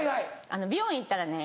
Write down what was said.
美容院行ったらね